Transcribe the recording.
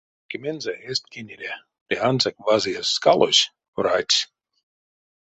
Печкемензэ эзть кенере ды ансяк вазыязь скалось врадсь.